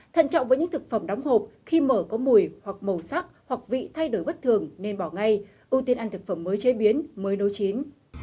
thận trọng với những thực phẩm đóng hộp khi mở có mùi hoặc màu sắc hoặc vị thay đổi bất thường nên bỏ ngay ưu tiên ăn thực phẩm mới chế biến mới nấu chín